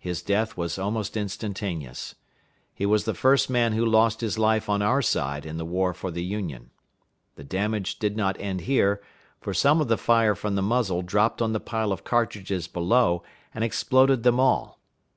His death was almost instantaneous. He was the first man who lost his life on our side in the war for the Union. The damage did not end here, for some of the fire from the muzzle dropped on the pile of cartridges below, and exploded them all.